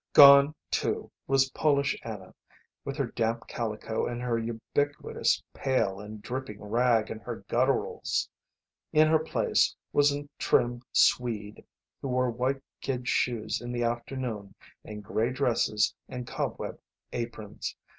Gone, too, was Polish Anna, with her damp calico and her ubiquitous pail and dripping rag and her gutturals. In her place was a trim Swede who wore white kid shoes in the afternoon and gray dresses and cob web aprons.